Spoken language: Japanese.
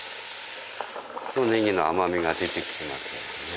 ネギの甘みが出てきます。